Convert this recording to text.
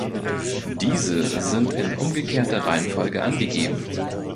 Diese sind in umgekehrter Reihenfolge angegeben.